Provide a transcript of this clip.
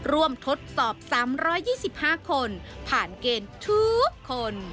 ทดสอบ๓๒๕คนผ่านเกณฑ์ทุกคน